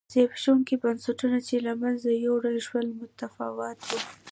زبېښونکي بنسټونه چې له منځه یووړل شول متفاوت و.